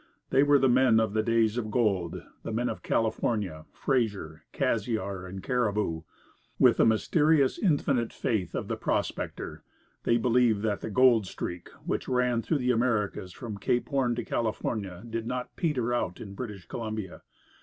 They were the men of "the days of gold," the men of California, Fraser, Cassiar, and Cariboo. With the mysterious, infinite faith of the prospector, they believed that the gold streak, which ran through the Americas from Cape Horn to California, did not "peter out" in British Columbia.